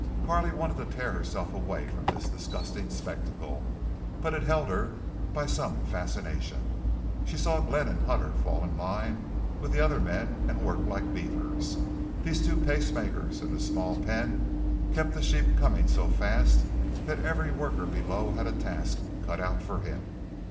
Carley wanted to tear herself away from this disgusting spectacle. But it held her by some fascination. She saw Glenn and Hutter fall in line with the other men, and work like beavers. These two pacemakers in the small pen kept the sheep coming so fast that every worker below had a task cut out for him.